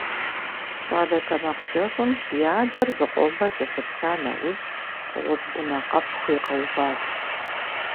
ЩӀалэ тэмакъкӀэщӀым и адэр зыкъомрэ кӀэлъыплъа нэужь, гъущӀ Ӏунэ къэп хуигъэуващ.